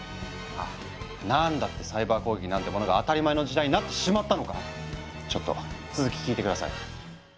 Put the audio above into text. なんだってサイバー攻撃なんてものが当たり前の時代になってしまったのかちょっと続き聞いて下さい。